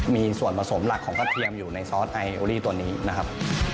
มีส่วนผสมหลักของกระเทียมอยู่ในซอสไอโอลี่ตัวนี้นะครับ